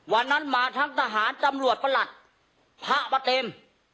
วันนั้นมาทั้งทหารตำรวจประหลัดพระมาเต็ม